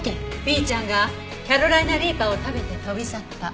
ピーちゃんがキャロライナ・リーパーを食べて飛び去った。